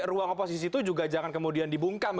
ruang oposisi itu juga jangan kemudian dibungkam